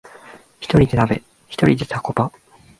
ひとりで鍋、ひとりでタコパ